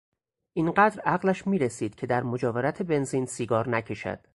اینقدر عقلش میرسید که در مجاورت بنزین سیگار نکشد.